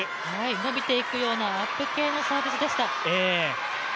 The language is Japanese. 伸びていくような、アップ系のサービスでした。